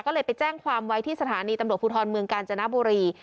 ก็เลยไปแจ้งความไว้ที่สถานีตำรวจภูทรเมืองกาญจนบุรี